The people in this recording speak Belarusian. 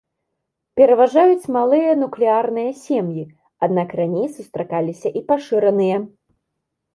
Пераважаюць малыя нуклеарныя сем'і, аднак раней сустракаліся і пашыраныя.